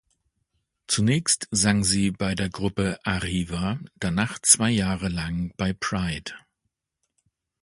Zunächst sang sie bei der Gruppe Arriva, danach zwei Jahre lang bei Pride.